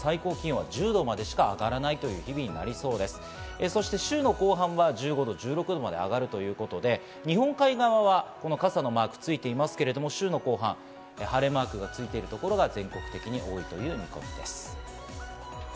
週の後半は１５度、１６度まで上がるということで、日本海側は傘のマークがついていますけど、週の後半、晴れマークがついてるところが全国的に多いということです。